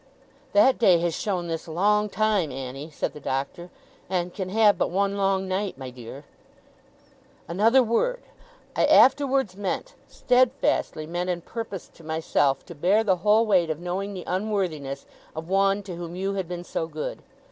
'That day has shone this long time, Annie,' said the Doctor, 'and can have but one long night, my dear.' 'Another word! I afterwards meant steadfastly meant, and purposed to myself to bear the whole weight of knowing the unworthiness of one to whom you had been so good.